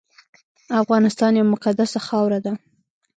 افغانستان یوه مقدسه خاوره ده